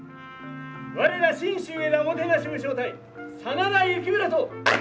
我ら信州上田おもてなし武将隊真田幸村と。